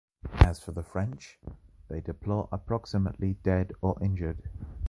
As for the French, they deplore approximately dead or injured.